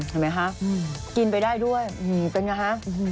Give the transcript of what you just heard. เห็นไหมคะกินไปได้ด้วยเป็นไงฮะ